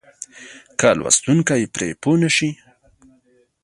که لوستونکی پرې پوه نه شي.